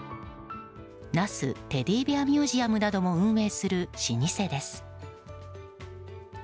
那須テディベア・ミュージアムなども運営する老舗です。